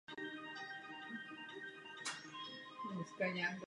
Zároveň šlo o nepřímé volby.